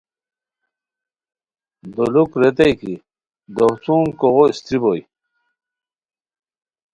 دولوک ریتائے کی دوڅون کوغو اِستری بوئے